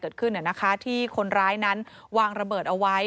เกิดขึ้นที่คนร้ายนั้นวางระเบิดเอาไว้